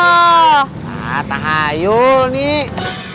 ah tak hayul nih